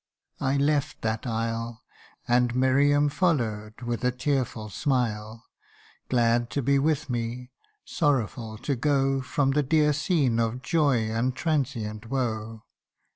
I left that isle, And Miriam follow'd with a tearful smile, Glad to be with me, sorrowful to go From the dear scene of joy and transient woe.